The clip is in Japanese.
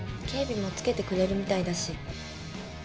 警備もつけてくれるみたいだし。